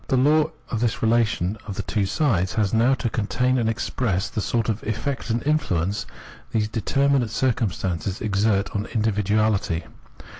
The law of this relation of the two sides has now to contain and express the sort of effect and influence these determinate circumstances exert on individuahty.